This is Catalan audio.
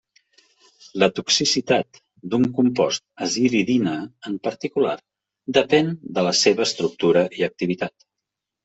La toxicitat d'un compost aziridina en particular depèn de la seva estructura i activitat.